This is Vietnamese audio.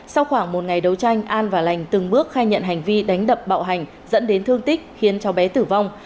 sau khoảng một ngày đấu tranh an và lành từng bước khai nhận hành vi đánh đập bạo hành dẫn đến thương tích khiến cháu bé tử vong